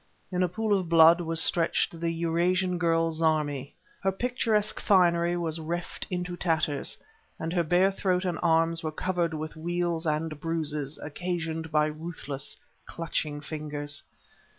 In a pool of blood was stretched the Eurasian girl, Zarmi. Her picturesque finery was reft into tatters and her bare throat and arms were covered with weals and bruises occasioned by ruthless, clutching fingers.